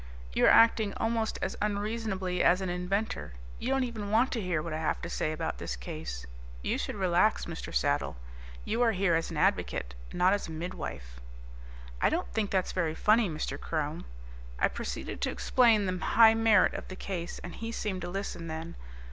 You are acting almost as unreasonably as an inventor. You don't even want to hear what I have to say about this case. You should relax, Mr. Saddle. You are here as an advocate, not as a midwife." "I don't think that's very funny, Mr. Krome," I proceeded to explain the high merit of the case, and he seemed to listen then.